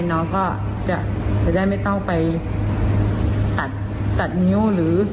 น้องก็จะไม่ต้องไปตัดไหม้ว